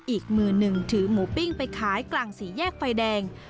อีกมือหนึ่งถือหมูปิ้งไปขายกลางสี่แยกไฟแดง